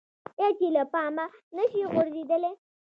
آیا چې له پامه نشي غورځیدلی؟